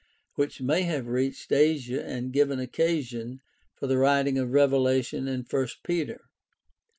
which may have reached Asia and given occasion for the writing of Revelation and I Peter.